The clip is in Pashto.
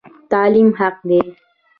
تعلیم حق دی